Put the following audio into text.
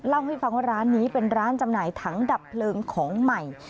เล่าให้ฟังว่าร้านนี้เป็นร้านจำหน่ายถังดับเพลิงของใหม่